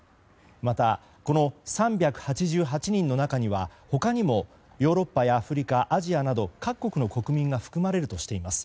また、この３８８人の中には他にもヨーロッパやアフリカアジアなど各国の国民が含まれるとしています。